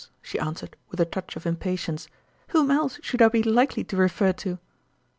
" she answered, with a touch of impatience. "Whom else should I be likely to refer to ?